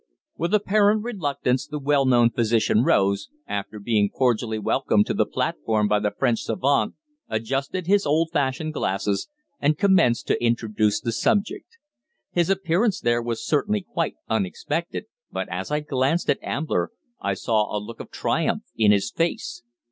With apparent reluctance the well known physician rose, after being cordially welcomed to the platform by the French savant, adjusted his old fashioned glasses, and commenced to introduce the subject. His appearance there was certainly quite unexpected, but as I glanced at Ambler I saw a look of triumph in his face.